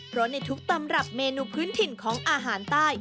เพราะในทุกตำรับเมนูพื้นถิ่นของอาหารใต้